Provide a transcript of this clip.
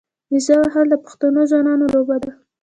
نیزه وهل د پښتنو ځوانانو لوبه ده.